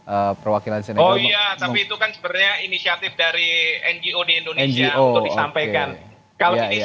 oh iya tapi itu kan sebenarnya inisiatif dari ngo di indonesia untuk disampaikan